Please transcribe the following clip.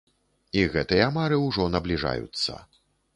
І гэтыя мары ўжо набліжаюцца.